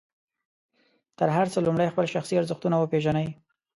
تر هر څه لومړی خپل شخصي ارزښتونه وپېژنئ.